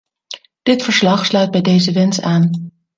Dit verslag sluit bij deze wens aan.